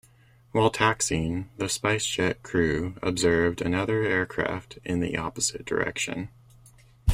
While taxing, the Spice Jet crew observed another aircraft in the opposite direction.